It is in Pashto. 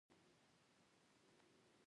د غوره کار لپاره